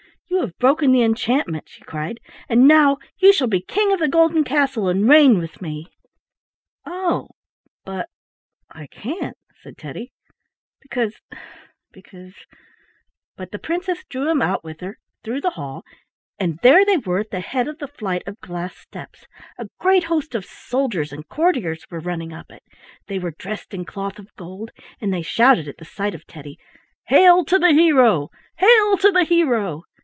"You have broken the enchantment," she cried, "and now you shall be the King of the Golden Castle and reign with me." "Oh, but I can't," said Teddy, "because —because—" But the princess drew him out with her through the hall, and there they were at the head of the flight of glass steps. A great host of soldiers and courtiers were running up it. They were dressed in cloth of gold, and they shouted at the sight of Teddy: "Hail to the hero! Hail to the hero!"